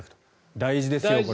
大事ですよ。